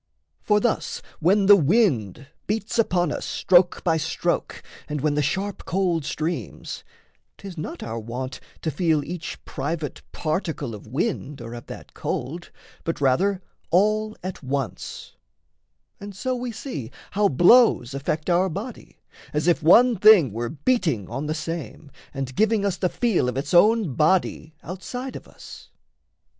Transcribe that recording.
For thus When the wind beats upon us stroke by stroke And when the sharp cold streams, 'tis not our wont To feel each private particle of wind Or of that cold, but rather all at once; And so we see how blows affect our body, As if one thing were beating on the same And giving us the feel of its own body Outside of us.